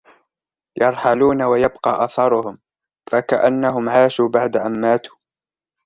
يرحلون و يبقى أثرهم ، فكأنهم عاشوا بعد أن ماتوا.